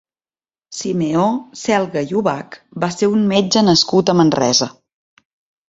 Simeó Selga i Ubach va ser un metge nascut a Manresa.